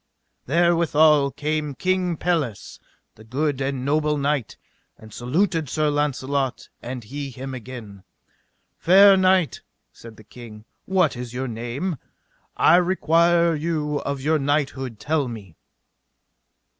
Therewithal came King Pelles, the good and noble knight, and saluted Sir Launcelot, and he him again. Fair knight, said the king, what is your name? I require you of your knighthood tell me!